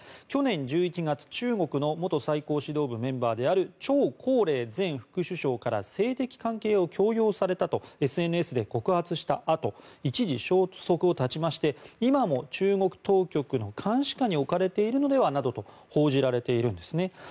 去年１１月、中国の元最高指導部メンバーであるチョウ・コウレイ前副首相から性的関係を強要されたとＳＮＳで告発したあと一時消息を絶ちまして今も中国当局の監視下に置かれているのではなどと報じられているんですね。